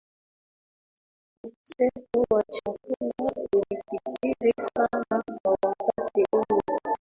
Ukosefu wa chakula ulikithiri sana kwa wakati huo